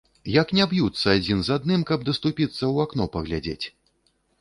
Як не б'юцца адзін з адным, каб даступіцца ў акно паглядзець.